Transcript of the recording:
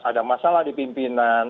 ada masalah di pimpinan